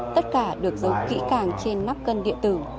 tất cả được giấu kỹ càng trên nắp cân điện tử